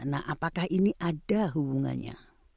nah apakah ini ada hubungannya